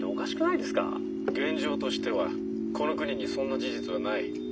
「現状としてはこの国にそんな事実はない。